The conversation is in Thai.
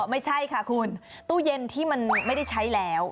ไม่ใช่ค่ะคุณตู้เย็นที่มันไม่ได้ใช้แล้ว